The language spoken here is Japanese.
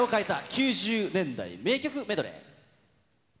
９０年代名曲メドレー。